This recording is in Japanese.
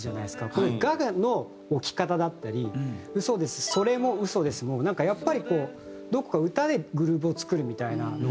この「が」の置き方だったり「嘘ですそれも嘘です」もなんかやっぱりこうどこか歌でグルーヴを作るみたいなのが見えてて。